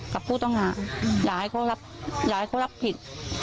กับผู้ต้องหาอย่าให้เขารับผิด